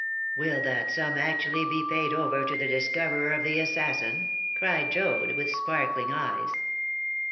"Will that sum actually be paid over to the discoverer of the assassin?" cried Joad, with sparkling eyes.